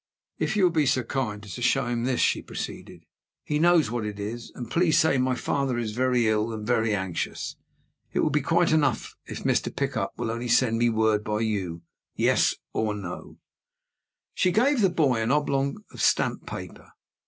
"If you will be so kind as to show him this," she proceeded; "he knows what it is. And please say, my father is very ill and very anxious. It will be quite enough if Mr. Pickup will only send me word by you Yes or No." She gave the boy an oblong slip of stamped paper.